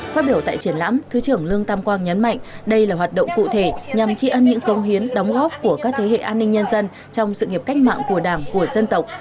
phát biểu tại triển lãm thứ trưởng lương tam quang nhấn mạnh đây là hoạt động cụ thể nhằm tri ân những công hiến đóng góp của các thế hệ an ninh nhân dân trong sự nghiệp cách mạng của đảng của dân tộc